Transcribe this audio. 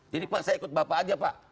jadi pak saya ikut bapak aja pak